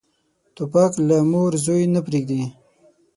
توپک له مور زوی نه پرېږدي.